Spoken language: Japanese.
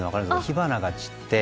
火花が散って。